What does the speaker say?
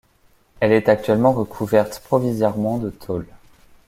Elle est actuellement recouverte provisoirement de tôles.